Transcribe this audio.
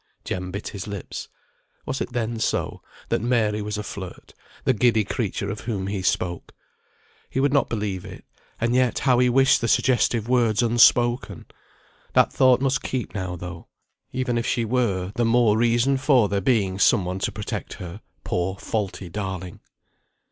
Jem bit his lips. Was it then so; that Mary was a flirt, the giddy creature of whom he spoke? He would not believe it, and yet how he wished the suggestive words unspoken. That thought must keep now, though. Even if she were, the more reason for there being some one to protect her; poor, faulty darling.